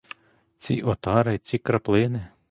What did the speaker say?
Ці отари, ці краплини?